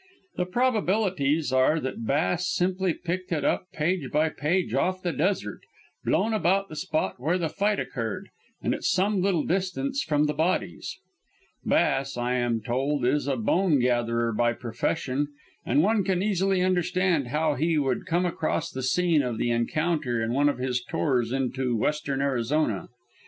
The probabilities are that Bass simply picked it up page by page off the desert, blown about the spot where the fight occurred and at some little distance from the bodies. Bass, I am told, is a bone gatherer by profession, and one can easily understand how he would come across the scene of the encounter in one of his tours into western Arizona.